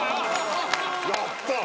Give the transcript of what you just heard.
やった。